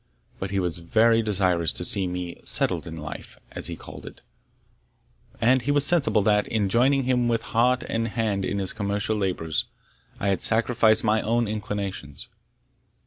But he was very desirous to see me "settled in life," as he called it; and he was sensible that, in joining him with heart and hand in his commercial labours, I had sacrificed my own inclinations.